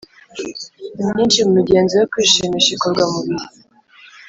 Imyinshi mu migenzo yo kwishimisha ikorwa mu bihe